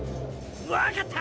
分かった